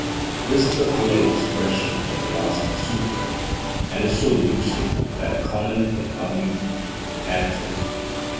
This is a fuller expression of the last Sutra, and is so lucid that comment can hardly add to it.